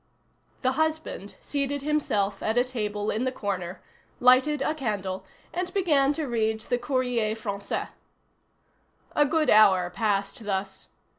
Her husband seated himself at a table in the corner, lighted a candle, and began to read the Courrier Français. A good hour passed thus.